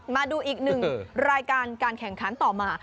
มาดูอีกหนึ่งรายการการแข่งขันต่อมา